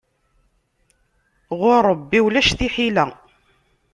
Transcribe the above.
Ɣur Ṛebbi ulac tiḥila.